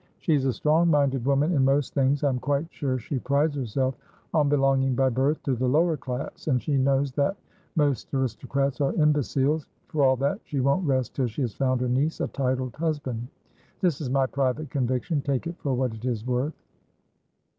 She's a strong minded woman in most things. I am quite sure she prides herself on belonging by birth to the lower class, and she knows that most aristocrats are imbeciles; for all that, she won't rest till she has found her niece a titled husband. This is my private conviction; take it for what it is worth."